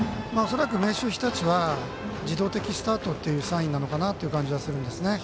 恐らく明秀日立は自動的スタートというサインなのかなという感じはするんですね。